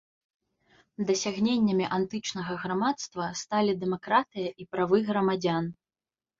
Дасягненнямі антычнага грамадства сталі дэмакратыя і правы грамадзян.